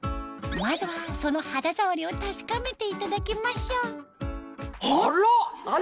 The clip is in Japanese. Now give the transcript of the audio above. まずはその肌触りを確かめていただきましょうあら！